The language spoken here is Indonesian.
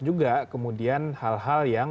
juga kemudian hal hal yang